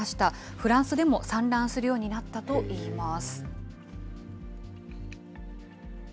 フランスでも産卵するようになったといいます。